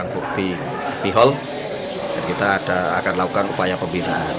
kita akan lakukan upaya pembinaan